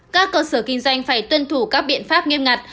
các cơ sở kinh doanh phải tuân thủ các biện pháp nghiêm ngặt